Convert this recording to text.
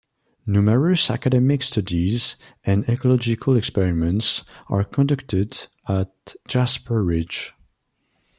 Numerous academic studies and ecological experiments are conducted at Jasper Ridge.